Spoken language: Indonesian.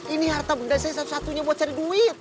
ini harta benda saya satu satunya buat cari duit